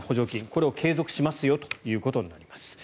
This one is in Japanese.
これを継続しますよということになります。